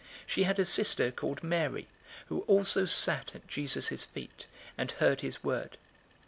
010:039 She had a sister called Mary, who also sat at Jesus' feet, and heard his word.